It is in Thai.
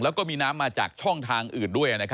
แล้วก็มีน้ำมาจากช่องทางอื่นด้วย